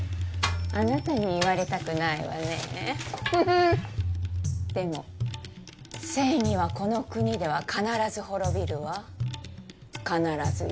あなたに言われたくないわねフフンでも正義はこの国では必ず滅びるわ必ずよ